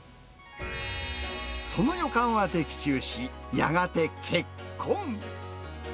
その予感は的中し、やがて結婚。